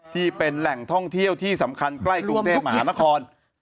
ที่เป็นแหล่งท่องเที่ยวที่สำคัญใกล้กรุงเทพมหานคร